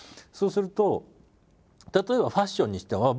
そうすると例えばファッションにしても。